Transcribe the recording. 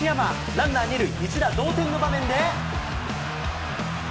ランナー２塁、一打同点の場面で。